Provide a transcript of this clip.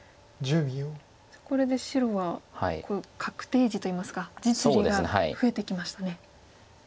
さあこれで白は確定地といいますか実利が増えてきましたね。